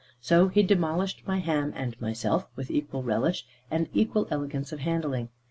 So he demolished my ham and myself, with equal relish and equal elegance of handling.